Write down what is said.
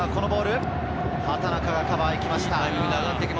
畠中がカバーに行きました。